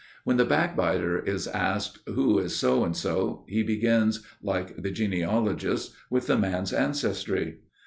When the backbiter is asked "Who is so and so?" he begins, like the genealogists, with the man's ancestry.